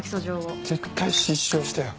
絶対失笑したよ。